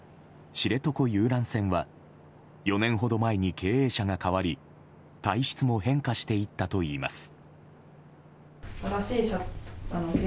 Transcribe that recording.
知床遊覧船は４年ほど前に経営者が変わり体質も変化していったといいます。